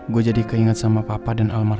gue jadi keinget sama papa dan almarhum mama